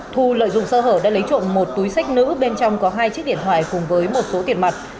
thu lợi dụng sơ hở đã lấy trộm một túi sách nữ bên trong có hai chiếc điện thoại cùng với một số tiền mặt